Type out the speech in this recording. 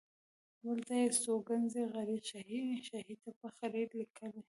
بل ځای یې استوګنځی قریه شاهي تپه خلیل لیکلی.